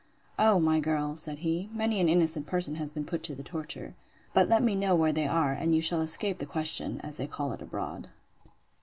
O, my girl! said he, many an innocent person has been put to the torture. But let me know where they are, and you shall escape the question, as they call it abroad.